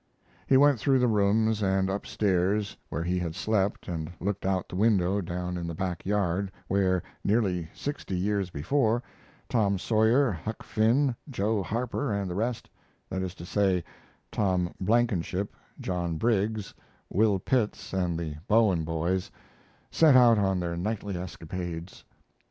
He went through the rooms and up stairs where he had slept and looked out the window down in the back yard where, nearly sixty years before, Tom Sawyer, Huck Finn, Joe Harper, and the rest that is to say, Tom Blankenship, John Briggs, Will Pitts, and the Bowen boys set out on their nightly escapades.